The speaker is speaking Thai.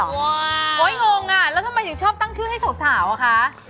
งงอ่ะแล้วทำไมถึงชอบตั้งชื่อให้สาวอะคะ